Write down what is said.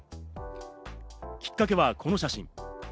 きっかけはこの写真。